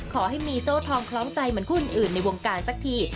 ขอให้มีโซ่ทองคล้องใจเหมือนคู่อื่นในวงการสักที